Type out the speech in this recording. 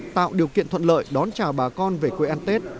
tạo điều kiện thuận lợi đón chào bà con về quê ăn tết